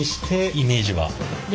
イメージは。